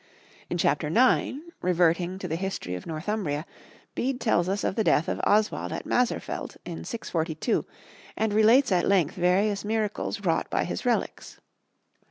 In Chapter 9, reverting to the history of Northumbria, Bede tells us of the death of Oswald at Maserfelth in 642, and relates at length various miracles wrought by his relics.